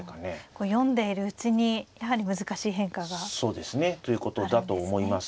読んでいるうちにやはり難しい変化があるんですね。ということだと思います。